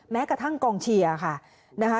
แม้กระทั่งกองเชียร์ค่ะนะคะ